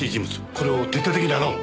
これを徹底的に洗おう。